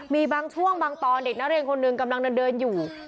มีบางช่วงบางตอนเด็กนักเรียนคนหนึ่งกำลังเดินอยู่